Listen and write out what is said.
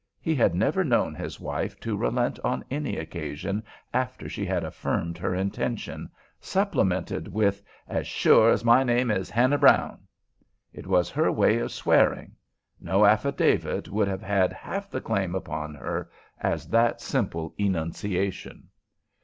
He had never known his wife to relent on any occasion after she had affirmed her intention, supplemented with "as sure as my name is Hannah Brown." It was her way of swearing. No affidavit would have had half the claim upon her as that simple enunciation.